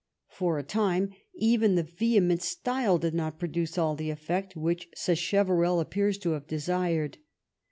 For a time even the vehement style did not produce all the effect which Sacheverell appears to have desired.